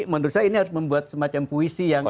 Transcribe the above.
menurut saya ini harus membuat semacam puisi yang